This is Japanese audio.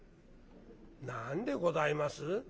「何でございます？